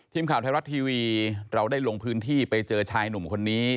ทีมข่าวไทยรัฐทีวีเราได้ลงพื้นที่ไปเจอชายหนุ่มคนนี้